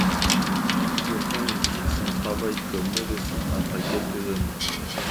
Pourtant, il quitte son travail comme médecin après quelques années.